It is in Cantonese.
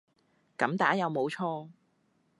噉打有冇錯